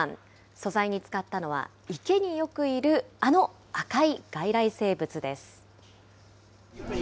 素材に使ったのは、池によくいるあの赤い外来生物です。